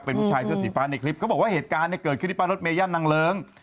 เป็นผู้ชายเสื้อสีฟ้าในคลิปเขาบอกว่าเหตุการณ์เกิดขึ้นที่ป้ายรถเมย่านนางเลิ้ง